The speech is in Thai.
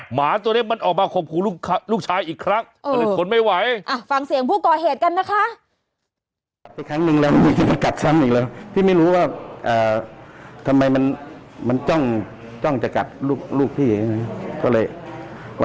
หมาตัวนี้มันออกมาขอบคุณลูกชายอีกครั้งตลอดคนไม่ไหว